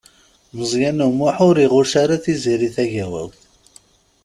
Meẓyan U Muḥ ur iɣucc ara Tiziri Tagawawt.